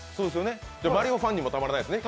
マリオファンにもたまらないですね。